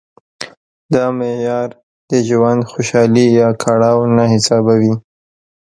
دا معیار د ژوند خوشالي یا کړاو نه حسابوي.